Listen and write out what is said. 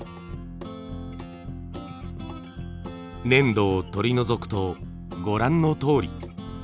粘土を取り除くとご覧のとおり。